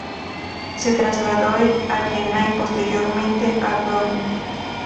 Se trasladó a Viena y posteriormente a Brno.